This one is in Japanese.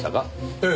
ええ。